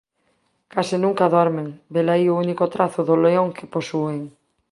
Case nunca dormen; velaí o único trazo do león que posúen.